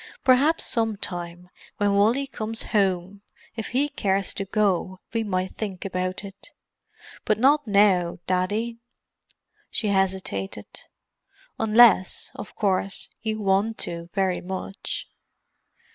Perhaps some time, when Wally comes home, if he cares to go we might think about it. But not now, Daddy." She hesitated. "Unless, of course, you want to very much."